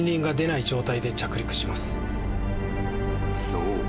［そう。